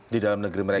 di dalam negeri mereka